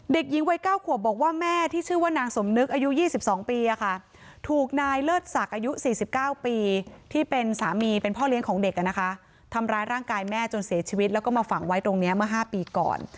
เด็กหญิงวัย๙ขวบบอกว่าแม่ที่ชื่อว่านางสมนึกอายุ๒๒ปีถูกนายเลิศศักดิ์อายุ๔๙ปีที่เป็นสามีเป็นพ่อเลี้ยงของเด็กทำร้ายร่างกายแม่จนเสียชีวิตแล้วก็มาฝังไว้ตรงนี้เมื่อ๕ปีก่อน